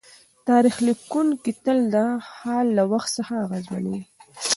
تاریخ لیکونکی تل د حال له وخت څخه اغېزمن وي.